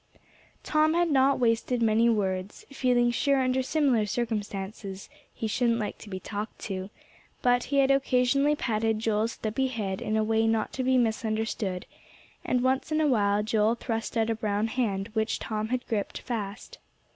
Tom had not wasted many words, feeling sure under similar circumstances he shouldn't like to be talked to; but he had occasionally patted Joel's stubby head in a way not to be misunderstood, and once in a while Joel thrust out a brown hand which Tom had gripped fast.